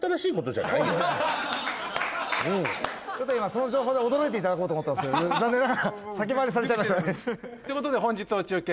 その情報で驚いていただこうと思ったんですけど残念ながら先回りされちゃいましたね。ということで本日の中継